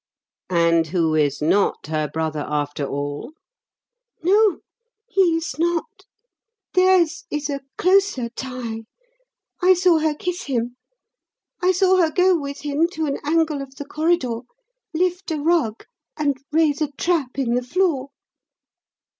"And who is not her brother, after all?" "No, he is not. Theirs is a closer tie. I saw her kiss him. I saw her go with him to an angle of the corridor, lift a rug, and raise a trap in the floor."